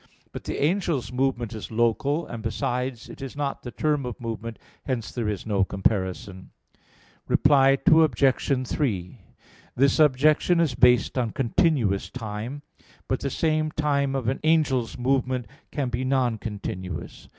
But the angel's movement is local, and, besides, it is not the term of movement; hence there is no comparison. Reply Obj. 3: This objection is based on continuous time. But the same time of an angel's movement can be non continuous.